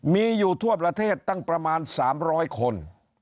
มีอยู่ทั่วประเทศตั้งประมาณ๓๐๐คน